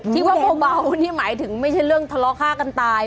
ที่ว่าเบานี่หมายถึงไม่ใช่เรื่องทะเลาะฆ่ากันตาย